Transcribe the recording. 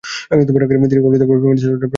তিনি কলকাতার Femina Miss ইন্ডিয়ার প্রথম রানার আপ।